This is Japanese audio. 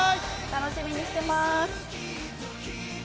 楽しみにしてます。